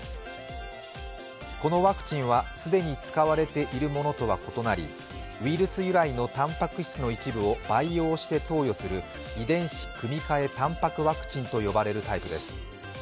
このワクチンは既に使われているものとは異なりウイルス由来のたんぱく質の一部を培養して投与する遺伝子組み換えたんぱくワクチンと呼ばれるタイプです。